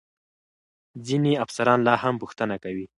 ځینې افسران لا هم پوښتنه کوي.